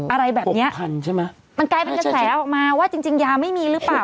อะไรแบบนี้มันกลายเป็นกระแสมาว่าจริงยาไม่มีหรือเปล่า